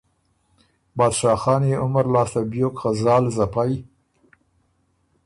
بادشاه خان يې عمر لاسته بیوک خه زال زپئ،